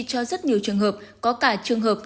cho rất nhiều trường hợp có cả trường hợp